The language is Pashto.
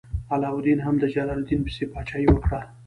علاوالدین هم د جلال الدین پسې پاچاهي وکړه.